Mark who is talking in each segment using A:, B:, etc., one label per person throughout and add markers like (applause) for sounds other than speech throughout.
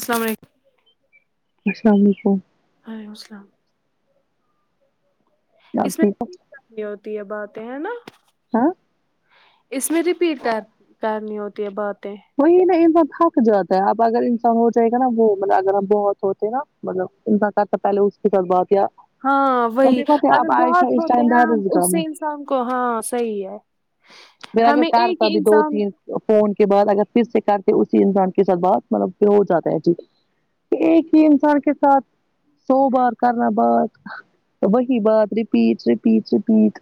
A: السل علیکم
B: السلام علیکم
A: ولیک السلام اس
B: آپ
A: میں
B: ٹھیک ہو
A: کرنی ہوتی ہے باتیں ہے نا
B: ہاں
A: اس میں رپیٹ کر کرنی ہوتی ہے باتیں
B: وہی نا انسان تھک جاتا ہے اب اگر انسان ہو جائے گا نا وہ مطلب اگر بہت نا مطلب ان کا کرتا پہلے اس کے ساتھ بات یا
A: ہاں وہی
B: تبھی بات ہے
A: اگر
B: آپ
A: بہت
B: عائشہ اس
A: ہوتے
B: ٹائم
A: ہیں نا ہم
B: دارزگاہ
A: اس
B: میں
A: سے شام کو ہاں صحیح ہے
B: میرا اگر
A: ہمیں
B: کار
A: ایک
B: تھا
A: ہی
B: ابھی دو
A: انسان
B: تین فون کے بعد اگر پھر سے کر کے اسی انسان کے ساتھ بات مطلب کہ ہو جاتا ہے جی ایک ہی انسان کے ساتھ سو بار کرنا بات وہی بات رپیٹ رپیٹ رپیٹ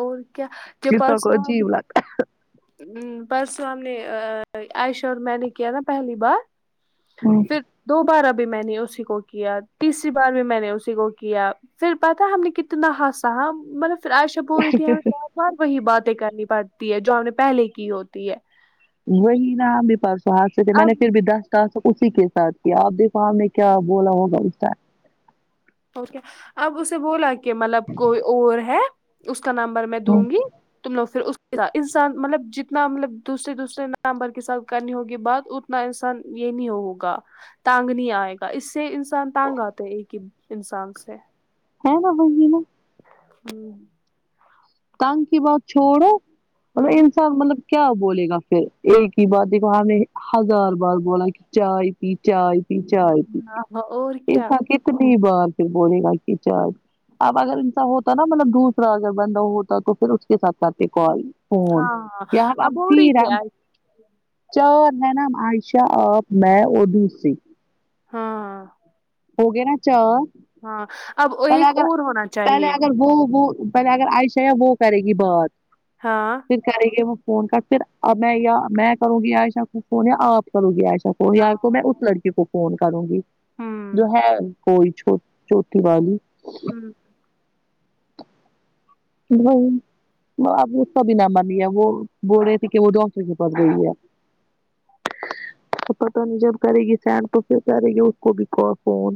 A: اور کیا چپال صاحب
B: لگتا
A: ہ پرسوں ہم نے عائشہ اور میں نے کیا نا پہلی بار پھر
B: ہے
A: دوبارہ بھی میں نے اسی کو کیا تیسری بار بھی میں نے اسی کو کیا پھر پتا ہم نے کتنا ہاسا مطلب پھر عایشہ پوری تھی ہمیں بار بار وہی باتیں کرنی پڑتی ہے جو ہم نے پہلے کی ہوتی ہے
B: وہی نام بھی پرسو ہاتھ سے تو میں
A: اب
B: نے پھر بھی دس اسی کے ساتھ کیا آپ دیکھو ہم نے کیا بولا ہوگا اس کا
A: اب اسے بولا کہ ملب کوئی اور ہے اس کا نمبر میں دوں گی تم نے وہ پھر اس انسان مطلب جتنا مطلب دوسرے دوسرے نمبر کے ساتھ کرنی ہوگی بات ا تنا انسان یہ نہیں ہوگا تنگ نہیں آئے گا اس سے انسان تنگ آتے ہیں ایک کہ انسان سے
B: ہے نا وہی نہ
A: ہوں
B: تنگ کی بات چھوڑو مطلب
A: ہوں
B: انسان مطلب کیا بولے گا پھر ایک ہی بات دماغ میں ہزار بار بولا کہ جائیگی جائیگی جائیگی
A: ہاں ہاں، اور کیا
B: انسان کت نی بار پھر بولے گا کہ جائیگی اب اگر انسا ہوتا نا مطلب دوسرا اگر بندہ ہو تو پھر اس کے ساتھ کرتے کال فون
A: ہاں ہاں
B: یہاں اب
A: ہو رہی
B: پھر
A: تھی
B: اپ
A: آج
B: چار ہے نا عائشہ آپ میں اور دوسرے
A: ہاں
B: ہو گئے نہ چار
A: ہاں اب
B: پہلے
A: ایک
B: اگر
A: اور ہونا
B: پہلے
A: چاہیے
B: اگر وہ وہ پہلے اگر عائشہ یا وہ کرے گی بات
A: ہاں
B: پھر کریں گے وہ فون کا پھر اب میں یا میں کروں گی عائشہ کو فون یا آپ کروں گی عائشہ کو
A: ہاں
B: یا تو میں اس لڑکی کو فون کروں گی
A: ہ
B: جو ہے کوئی چو چھوٹی والی
A: ہوں
B: پھر وہی م اب اس کا بھی نمبر نہیں ہے وہ بول رہی تھی کہ وہ ڈاکٹر کے پاس گئی ہے تو پتہ نہیں جب کرے گی سینڈ تو پھر کرے گی اس کو بھی کو کال فون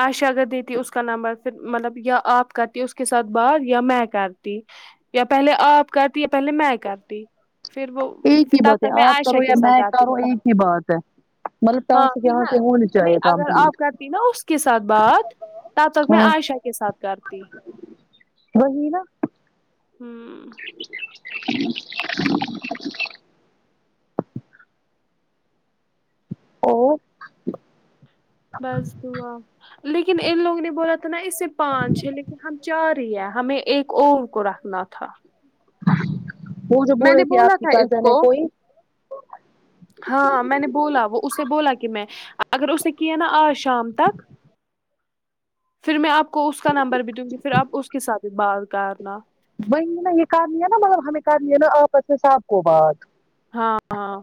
A: عاشہ اگر دیتی اس کا نمبر پھر مطلب یا آپ کرتی اس کے ساتھ بات یا میں کرتی یا پہلے آپ کرتی یا پہلے میں کرتی پھر وہ
B: ایک ہی
A: کتاب
B: بات
A: ت
B: ہے
A: میں
B: آپ
A: عائشہ
B: کرو
A: کے
B: یا
A: ساتھ
B: میں
A: زاتی
B: کروں ایک ہی بات ہے مطلب
A: ہاں
B: ٹاسک
A: پھر
B: یہاں
A: میں
B: سے ہونی
A: نہیں
B: چاہیے
A: اگر آپ
B: کمپلیٹ
A: کر تی نا اس کے ساتھ بات تب تک میں
B: ہاں
A: عائشہ کے ساتھ کرتی
B: وہی نا
A: ہوں
B: (unintelligible) کو
A: بس دعا لیکن ان لوگ نے بولا تھا نا اس سے پانچ ہے لیکن ہم چار ہی ہے ہمیں ایک اور کو رکھنا تھا
B: وہ جو
A: میں
B: بول
A: نے
B: رہے تھی
A: بولا
B: آپ کی
A: تھا اس
B: کزن
A: کو
B: ہے کوئی
A: ہاں میں نے بولا وہ اسے بولا کہ میں اگر اس نے کیا نا آج شام تک پھر میں آپ کو اس کا نمبر بھی دوں گی پھر آپ اس کے ساتھ بات کرنا
B: وہی نا یہ کرلیا نا مطلب ہمیں کرلیا نا آپس میں سب کو بات
A: ہاں ہاں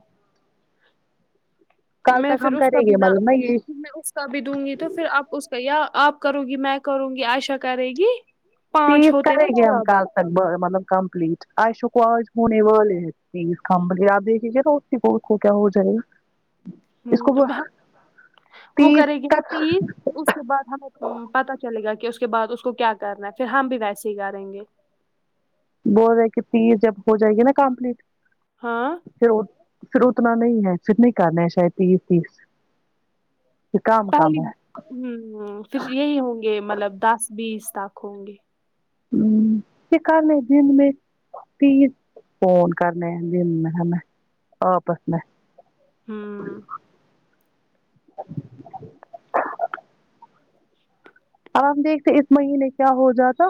B: کل
A: میں
B: تک
A: پھر
B: ہم
A: اس کا
B: کریں گے
A: بنا
B: مطلب نا یہ
A: میں اس کا بھی دوں گی تو پھر آپ اس کا یا آپ کروں گی میں کروں گی عائشہ کرے گی پانچ
B: تیس
A: ہوتے
B: کرے
A: نا
B: گی ہم
A: برابر
B: کال ب مطلب کمپلٹ عائشہ کو آج ہونے والے ہے تیس کمپلیٹ آپ دیکھیںگے نہ بہت ہووک کیا ہو جائےا
A: ہوں وہ
B: تیس
A: کرے گی نا
B: تک
A: تیس اس اس کے بعد ہمیں پتا چلے گا کہ اس کے بعد اس کو کیا کرنا ہے پھر ہم بھی ویسے ہی کریں گے
B: بول رہے کہ تیر جب ہو جائے گی نا کمپلیٹ
A: ہاں
B: پھر پھر اتنا نہیں ہے پھر نہیں کرنا ہے شاید تیس تیس پھر کام کم ہے
A: ہوں پھر یہی ہوں گے مطلب دس بیس تک ہوں گے
B: ہوں پھر کل میں دن میں تیس فون کرنے ہونگے ہمیں آپس میں
A: ہوں
B: اب ہم دیکھتے اس مہینے کیا ہو جاتا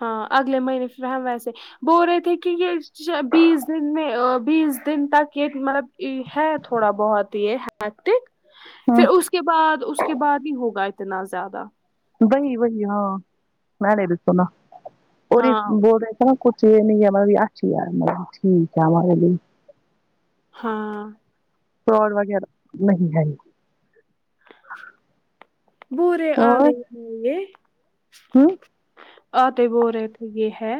A: ہاں اگلے مہینے پھر ہم ویسے بول رہے تھے کہ یہ بیس دن میں ا بیس دن تک یہ مطلب ہے تھوڑا بہت یہک
B: ہ
A: پھر اس کے بعد اس کے بعد ہی ہوگا اتنا زیادہ
B: وہی وہی ہاں میں نے بھی سنا اور اس
A: ہاں
B: بول رہ تھے نہ (unintelligible) چ نہیں مب اچھیار ہے مب ٹھیک ہے مارب
A: ہاں
B: فراڈ وغیرہ نہیں ہے
A: بورے آ
B: اور
A: گئے ہو یہ
B: ہ
A: آتے بو رہے تھے یہ ہے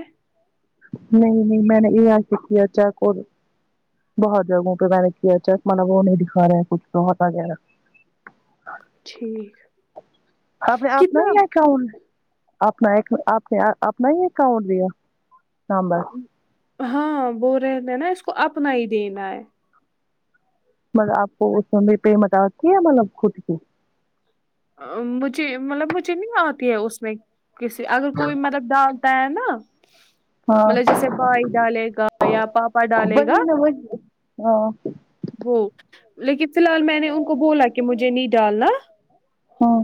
B: نہیں نہیں میں نے یہ اے ائی چیک اور بہت جگہوں پہ میں نے کیا چیک وہ نہیں دکھا رہے ہیں کچھ بہتا گا
A: ٹھیک
B: آپ نے آپ
A: کتنا
B: نہیں اکاؤنٹ اپنا ایک آپ نے اپنا ہی ایکؤنٹ دیا نامبر
A: ہاں بول رہے تھا نا اس کو اپنا ہی دینا ہے
B: مطلب آپ کو اس سمہ پہ مذاق کیا مطلب خود کی
A: مجھے مطلب مجھے نہیں آتی ہے اس میں کسی اگر کوئی مطلب ڈالتا ہے نا مطلب
B: ہاں
A: جیسے بھائی ڈالے گا یا پاپا ڈالے گا
B: ویچ ہاں
A: وہ لیکن فلحال میں نے ان کو بولا کہ مجھے نہیں ڈالنا
B: ہاں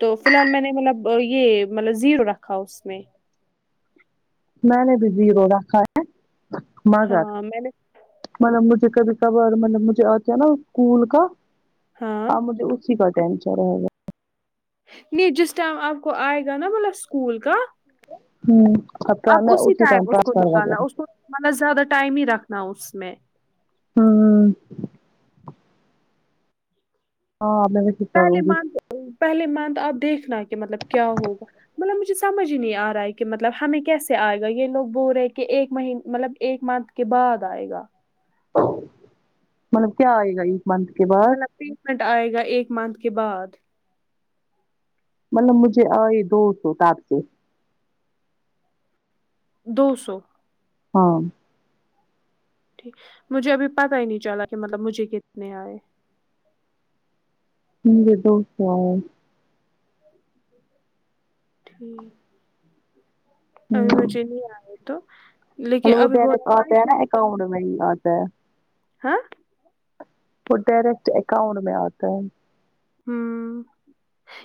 A: تو فلحال میں نے مطلب یہ مطلب زیرو رکھا اس میں
B: میں نے بھی زیرو رکھا ہے مگر
A: ہاں میں نے
B: مطلب مجھے کبھی کبھار مطلب مجھے آتا نا اسکول کا
A: ہاں
B: مجھے اب اسی کا تنچر
A: نہیں جس ٹائم آپ کو آئے گا نا مطلب اسکول کا
B: ہوں ہٹ
A: اب اسی ٹائم اس کو نکالنا اس کو مطلب زیادہ ٹائم ہی رکھنا اس میں
B: ہوں ہاں اب میں نے
A: پہلے منتھ پہلے منتھ اپ دیکھنا ہے کہ مطلب کیا ہوگا مطلب مجھے سمجھ ہی نہیں ا رہا ہے کہ مطلب ہمیں کیسے ائے گا یہ لوگ بول رہے کہ ایک مہینہ مطلب ایک مونتھ کے بعد آئے گا
B: مطلب کیا آئے گا ایک منت
A: مطلب پیمنٹ آئے گا ایک منتھ کے بعد
B: مطلب مجھے ائے دوسو ساتھ سو
A: دو سو
B: ہاں
A: مجھے ابھی پتا ہی نہیں چلا کہ مطلب مجھے کتنے ائے
B: ہم یہ تو فوے (unintelligible)
A: ٹھیک ابھی
B: ہوں
A: مجھے نہیں ائے تو لیکن
B: مطلب وہ
A: ابھی
B: ڈائریکٹ آتا ہے نا اکاؤنٹ میں ہی آتا ہے
A: (inaudible) ہاں
B: وہ ڈائریکٹ اکاؤنٹ میں اتا ہے
A: ہمم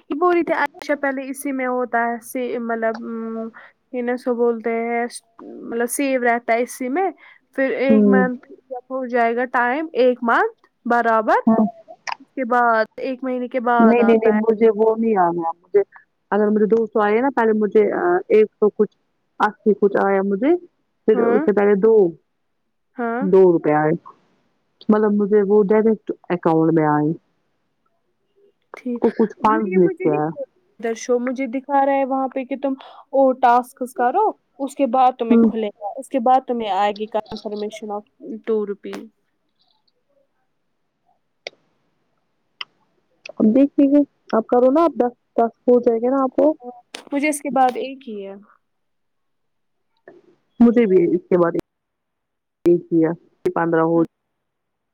A: یہ بول اچھا پہلے اسی میں ہوتا ہے سیم مطلب ان سو بولتے ہیں مطلب سیب رہتا ہے اسی میں پھر ایک
B: ہوں
A: منتھ جب ہو جائے گا ٹائم ایک منتھ برابر
B: ہاں
A: اس کے بعد ایک مہینے کے
B: نہیں
A: بعد
B: نہیں
A: آتا ہے
B: نہیں بل مجھ وہ نہیں انا مجھے اگر مجھے دو سو ائی نا پہلے مجھے ایک سو کچھ اپ سے کچھ ا یا مجھے پھر اس
A: ہاں
B: سے پہلے دو
A: ہاں
B: دو روپیہ ایے مطلب مجھے وہ ڈائریکٹ اکاؤنٹ میں ائے
A: ٹھیک
B: کو کچھ فنڈ لکھ
A: مجھے
B: کے آیا
A: نہیں (unintelligible) درشو مجھے دکھا رہا ہے وہاں پہ کہ تم اور ٹاسکس کرو اس کے بعد تمہیں
B: ہوں
A: کھلے اس کے بعد تمہیں ائے گی کنفرمیشن وف ٹو روپی
B: اب دیکھیے گے اپ کرو نا اپ دس دس ہو جائے گے نا اپ کو
A: مجھے اس کے بعد ایک ہی ہے
B: مجھے بھی اس کے بعد ایک ہی ہے پندرہ ہو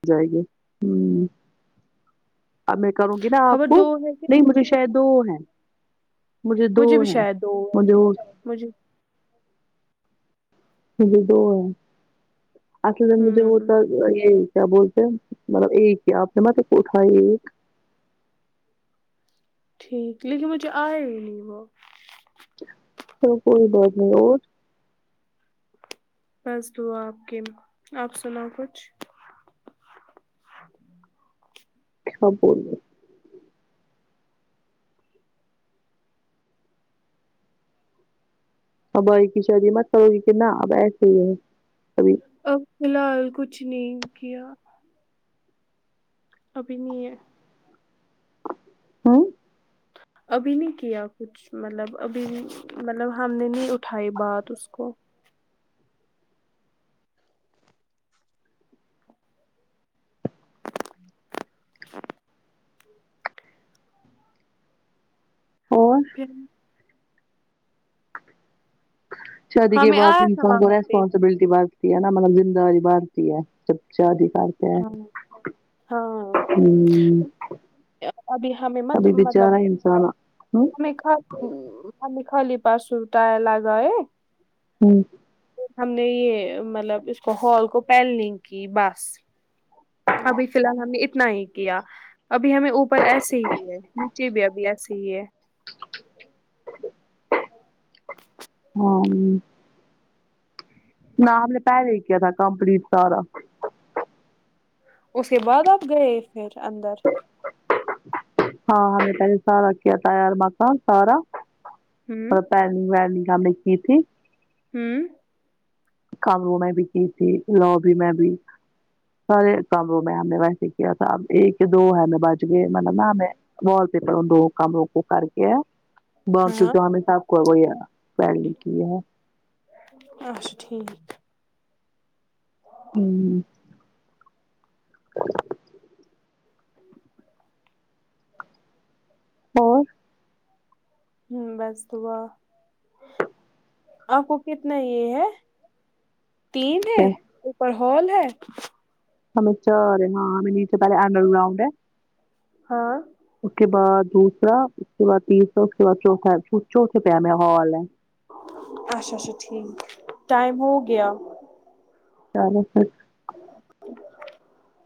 B: جائے گے ہوں اب میں کروں گی نا آپ
A: خبر
B: کو
A: دو ہے کہ
B: نہیں مجھے شاید دو ہیں مجھے دو
A: بھی
B: ہیں
A: شاید دو ہے
B: مجھے وہ
A: مجھے
B: مجھے دو ہے اصل میں مجھے
A: ہوں
B: وہتا یہ کیا بولتے ہیں مطلب ایک کیا آپ نے مطلب اٹھا ایک
A: ٹھیک لیکن مجھے آیا ہی نہیں وہ
B: تو کوئی بات نہیں اور
A: بس دعا آپ کی آپ سناؤ کچھ
B: سب بولو اور بھائی کی شادید یہ مت کرو گی کہ نہ اب ایسے ہی ہے کبھی
A: اب فی الحال کچھ نہیں کیا ابھی نہیں ہے
B: ہوں
A: ابھی نہیں کیا کچھ مطلب ابھی مطلب ہم نے نہیں اٹھائی بات اس کو
B: اور
A: پھر
B: شادی کے
A: ہمیں
B: بعد
A: آیا تھا
B: انسان کو
A: وہاں پہ
B: ریسپانسبلٹی بات ہے نہ مطلب زندہ بھرتی ہے جب شادی کر
A: ہاں ہاں
B: ہ
A: ابھی ہمیں مت
B: ابھی
A: مطلب
B: بچارا انسان ہاں
A: ہمیں خل خالی خالی پانچ سوتا لگا ئے
B: ہوں
A: ہم نے یہ مطلب اس کو ہال کو پینلنگ کی بس ابھی فی الحال ہم نے اتنا ہی کیا ابھی ہمیں اوپر ایسے ہی ہے جی بھیا اب سوئی ہے (inaudible)
B: ہاں نہ ہم نے پہلے کیا تھا کمپلیٹ سارا
A: اس کے بعد آپ گئے پھر اندر
B: ہاں ہم نے کل سارا کیا تار ماتا سارا
A: ہوں
B: بتا یے وگ ل کی تھی (unintelligible)
A: ہوں
B: کم رو میں بھی کی تھی لوبی میں بھی سارے کمروں میں ہم نے ویسے ہی کیا تھا اب ایک دو ہے ہم بچ گئے مطلب نا ہمیں وال پپروں دو کام روک کر کے ہے باقی
A: ہاں
B: کام میں سب ہوگئے ہیں پلاننگ کی ہے
A: اچھا ٹھیک
B: ہوں اور
A: ہوں بس دعا آپ کو کتنا یہ ہے تین ہے
B: کیا
A: اوپر ہال ہے
B: ہمیں چار ہے ہاں ہمیں نیچے پہلے انڈر گراؤنڈ ہے
A: ہاں
B: اس کے بعد دوسرا اس کے بعد تیسرا اس کے بعد چھوٹا پر میرا ہال ہے
A: اچھا اچھا ٹھیک ٹائم ہو گیا
B: چلو ٹھیک
A: (inaudible)